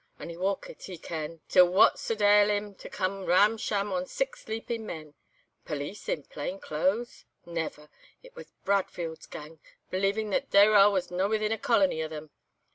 So he walkit, ye ken, till what suld ail him to come ram sham on six sleeping men. Police in plain clothes? Never! It was Bradfield's gang, believing that Dayrell was no within a colony o' them.